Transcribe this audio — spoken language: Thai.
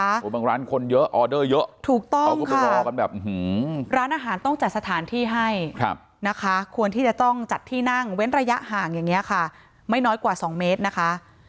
โอ้โหบางร้านคนเยอะออเดอร์เยอะถูกต้องเขาก็ไปรอกันแบบร้านอาหารต้องจัดสถานที่ให้นะคะควรที่จะต้องจัดที่นั่งเว้นระยะห่างอย่างนี้ค่ะไม่น้อยกว่า๒เมตรนะคะ